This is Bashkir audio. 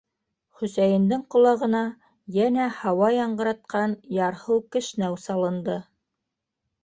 Хөсәйендең ҡолағына йәнә һауа яңғыратҡан ярһыу кешнәү салынды.